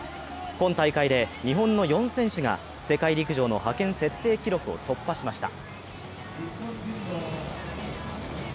今大会で日本の４選手が世界陸上の派遣設定記録を突破しました。